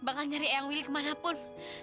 bakal nyari eyang willy kemana pun